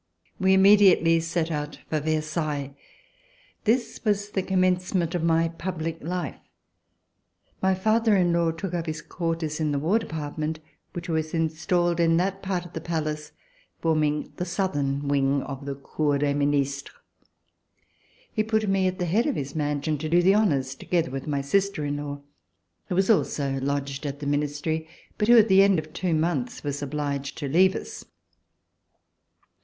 We immediately set out for Ver sailles. This was the commencement of my public life. My father in law took up his quarters in the , VERSAILLES INVADED BY THE MOB War Department, which was installed in that part of the Palace forming the southern wing of the Cour des Ministres. He put me at the head of his mansion to do the honors, together with my sister in law, who was also lodged at the Ministry, hut who, at the end of two months, was obliged to leave us.